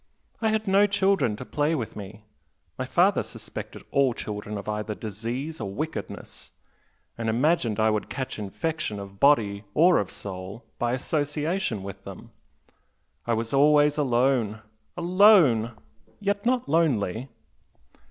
I had no children to play with me my father suspected all children of either disease or wickedness, and imagined I would catch infection of body or of soul by association with them. I was always alone alone! yet not lonely!"